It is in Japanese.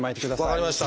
分かりました。